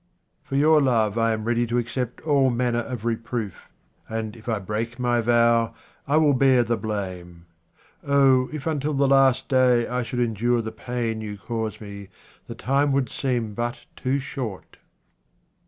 For your love I am ready to accept all manner of reproof, and if I break my vow, I will bear the blame. Oh, if until the last day I should endure the pain you cause me, the time would seem but too short.